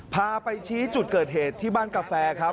พาไปชี้จุดเกิดเหตุที่บ้านกาแฟครับ